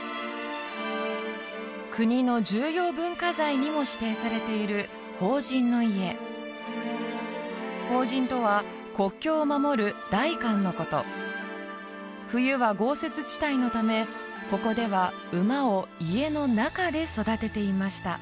国の重要文化財にも指定されている封人の家封人とは国境を守る代官のこと冬は豪雪地帯のためここでは馬を家の中で育てていました